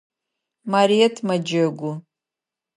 Марыет мэджэгу.